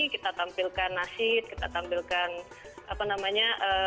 kita tampilkan nasib kita tampilkan apa namanya